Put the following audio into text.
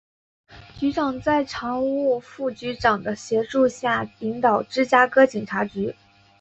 局长在常务副局长的协助下领导芝加哥警察局。